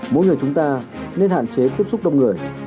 mỗi người chúng ta nên hạn chế tiếp xúc đông người